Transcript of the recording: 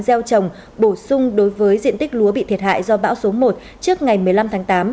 gieo trồng bổ sung đối với diện tích lúa bị thiệt hại do bão số một trước ngày một mươi năm tháng tám